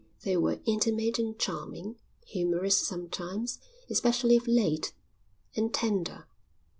They were intimate and charming, humorous sometimes, especially of late, and tender.